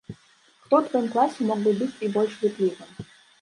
Хто ў тваім класе мог бы быць і больш ветлівым?